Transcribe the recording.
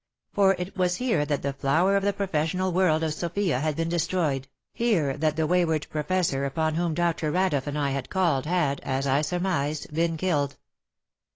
For it was here that the flower of the professional world of Sofia had been destroyed, here that the wayward professor upon whom Dr. Radeff and I had called had, as I surmised, been killed.